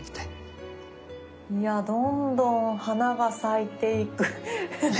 いやどんどん花が咲いていく。